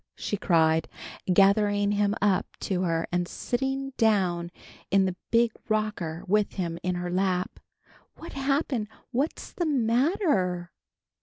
she cried, gathering him up to her and sitting down in the big rocker with him in her lap. "What happened? What's the matter?"